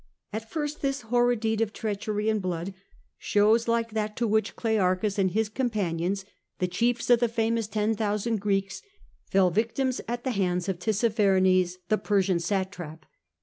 At first this horrid deed of treachery and blood shows like that to which Clearchus and his com 1841. TIIE ASSASSINATION OF MACNAGHTEN. 245 pardons, the chiefs of the famous ten thousand Greeks, fell victims at the hands of Tissaphemes, the Persian satrap.